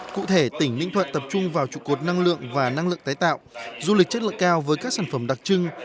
cụ thể tỉnh ninh thuận tập trung vào trụ cột năng lượng và năng lượng tái tạo du lịch chất lượng cao với các sản phẩm đặc trưng